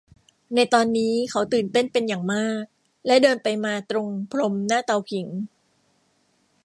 ในตอนนี้เขาตื่นเต้นเป็นอย่างมาก และเดินไปมาตรงพรมหน้าเตาผิง